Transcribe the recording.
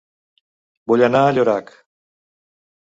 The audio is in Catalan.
Vull anar a Llorac